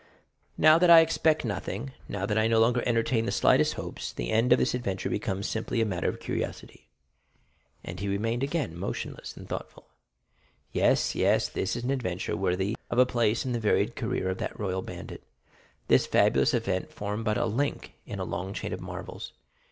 "Now that I expect nothing, now that I no longer entertain the slightest hopes, the end of this adventure becomes simply a matter of curiosity." And he remained again motionless and thoughtful. "Yes, yes; this is an adventure worthy a place in the varied career of that royal bandit. This fabulous event formed but a link in a long chain of marvels.